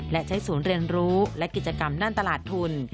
และใช้ศูนย์เรียนรู้และกิจกรรมด้านตลาดทุน